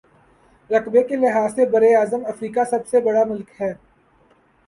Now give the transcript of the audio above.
رقبے کے لحاظ سے براعظم افریقہ کا سب بڑا ملک ہے